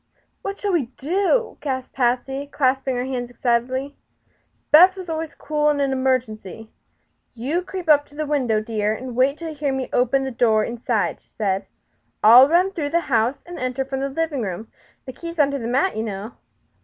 "What shall we do?" gasped Patsy, clasping her hands excitedly. Beth was always cool in an emergency. "You creep up to the window, dear, and wait till you hear me open the inside door," said she. "I'll run through the house and enter from the living room. The key is under the mat, you know."